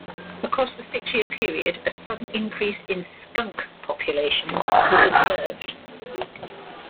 Across the six-year period a sudden increase in skunk populations was observed.